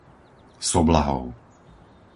Soblahov